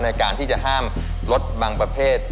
ในการที่จะห้ามลดบางประเภท